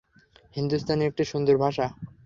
হিন্দুস্তানি একটি সুন্দর ভাষা।